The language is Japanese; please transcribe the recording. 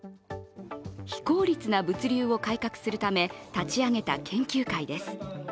非効率な物流を改革するため立ち上げた研究会です。